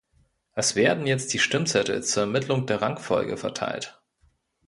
Es werden jetzt die Stimmzettel zur Ermittlung der Rangfolge verteilt.